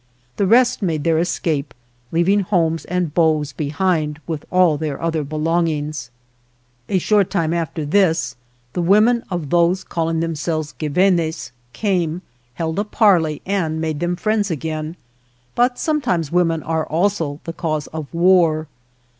The rest made their escape, leaving homes and bows behind, with all their other belong ings. A short time after this the women of those calling themselves Guevenes came, held a parley and made them friends again, but sometimes women are also the cause of war.